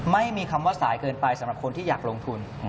ไม่มีคำว่าสายเกินไปสำหรับคนที่อยากลงทุน